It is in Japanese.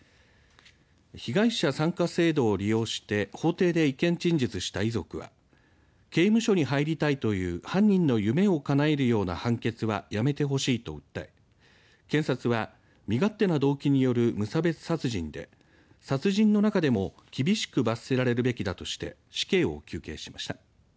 被害者参加制度を利用して法廷で意見陳述した遺族は刑務所に入りたいという犯人の夢をかなえるような判決はやめてほしいと訴え検察は、身勝手な動機による無差別殺人で殺人の中でも厳しく罰せられるべきだとして死刑を求刑しました。